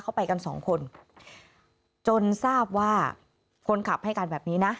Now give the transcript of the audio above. ไปกันสองคนจนทราบว่าคนขับให้การแบบนี้นะ